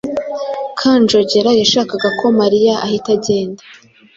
Kanjogera yashakaga ko Mariya ahita agenda.